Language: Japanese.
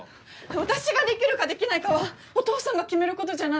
私ができるかできないかはお父さんが決めることじゃない。